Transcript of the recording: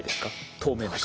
透明な紙。